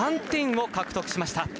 ３点を獲得しました。